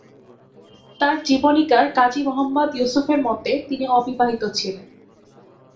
তার জীবনীকার কাজি মুহাম্মদ ইউসুফের মতে তিনি অবিবাহিত ছিলেন।